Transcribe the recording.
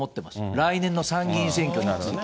来年の参議院選挙なんですね。